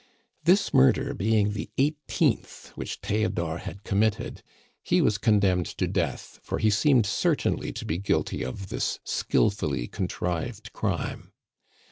This murder being the eighteenth which Theodore had committed, he was condemned to death for he seemed certainly to be guilty of this skilfully contrived crime.